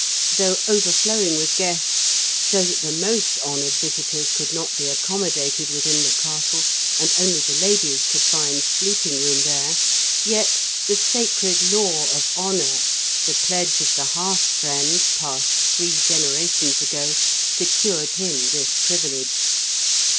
Though overflowing with guests, so that the most honoured visitors could not be accommodated within the castle, and only the ladies could find sleeping room there, yet the sacred law of honour, the pledge of the hearth friend passed three generations ago, secured him this privilege.